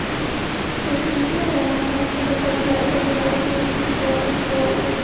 El siguiente diagrama muestra a las localidades en un radio de de Sunflower.